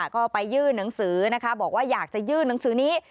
ก็ไปยื่นหนังสือนะคะบอกว่าอยากจะยื่นหนังสือนี้